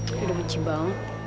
aku udah mencibang